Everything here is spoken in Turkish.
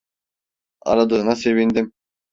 Aradığına sevindim.